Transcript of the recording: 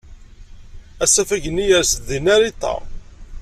Asafag-nni yers-d deg Narita.